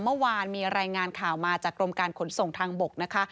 เมื่อวานมีรายงานข่าวมาจากกรมการขนส่งทางบกนะคะ